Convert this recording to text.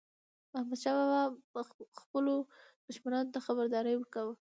احمدشاه بابا به خپلو دښمنانو ته خبرداری ورکاوه.